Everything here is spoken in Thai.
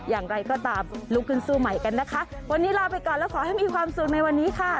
อย่างไรก็ตามลุกขึ้นสู้ใหม่กันนะคะวันนี้ลาไปก่อนแล้วขอให้มีความสุขในวันนี้ค่ะ